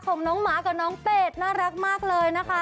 ของน้องหมากับน้องเป็ดน่ารักมากเลยนะคะ